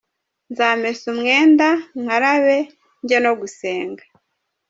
Nzamesa umwenda, nkarabe, njye no gusenga.